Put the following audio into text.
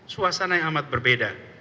suasana yang amat berbeda